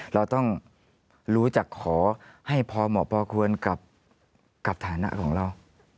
เราต้องรู้จักขอให้พอเหมาะพอควรกับฐานะของเรา